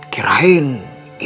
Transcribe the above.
kirain ibu mau manggil lagi